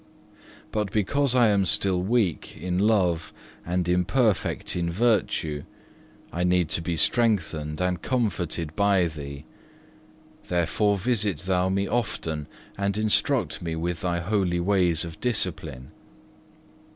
2. But because I am still weak in love and imperfect in virtue, I need to be strengthened and comforted by Thee; therefore visit Thou me often and instruct me with Thy holy ways of discipline.